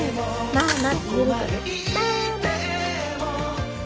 「ママ」。